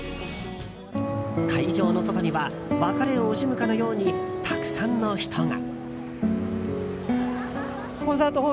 会場の外には別れを惜しむかのようにたくさんの人が。